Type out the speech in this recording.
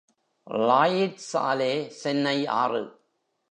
Lloyds சாலே சென்னை ஆறு.